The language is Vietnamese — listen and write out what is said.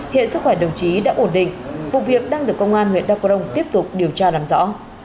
hiện sức khỏe đồng chí đã ổn định vụ việc đang được công an huyện đa cổ rồng tiếp tục điều tra làm rõ